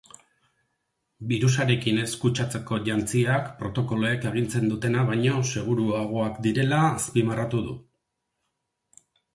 Birusarekin ez kutsatzeko jantziak protokoloek agintzen dutena baino seguruagoak direla azpimarratu du.